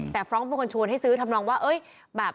แต่ฟรองก์เป็นคนชวนให้ซื้อทำนองว่า